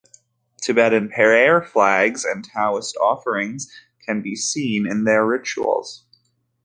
Tibetan prayer flags and Taoist offerings can be seen in their rituals.